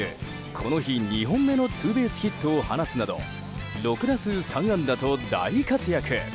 この日、２本目のツーベースヒットを放つなど６打数３安打と大活躍。